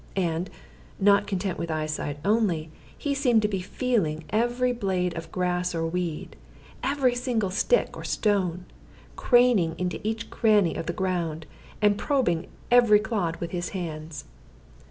And, not content with eyesight only, he seemed to be feeling every blade of grass or weed, every single stick or stone, craning into each cranny of the ground, and probing every clod with his hands.